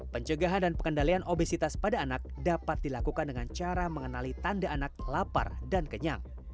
pencegahan dan pengendalian obesitas pada anak dapat dilakukan dengan cara mengenali tanda anak lapar dan kenyang